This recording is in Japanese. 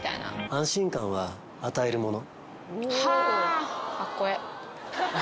安心感は与えるもの。